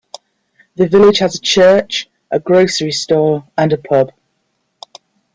The village has a church, a grocery store and a pub.